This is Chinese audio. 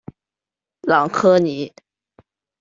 朗科尼。